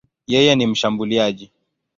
Yeye ni mshambuliaji.